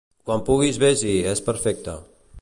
quan puguis ves-hi, és perfecte.